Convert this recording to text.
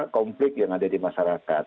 konflik yang ada di masyarakat